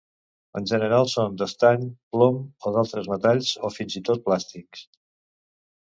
En general són d'estany, plom, o d'altres metalls o fins i tot plàstics.